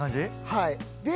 はい。